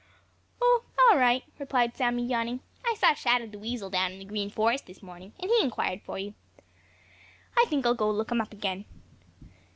"Oh, all right," replied Sammy, yawning. "I saw Shadow the Weasel down in the Green Forest this morning, and he inquired for you. I think I'll go look him up again."